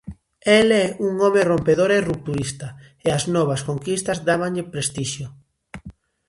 El é un home rompedor e rupturista, e as novas conquistas dábanlle prestixio.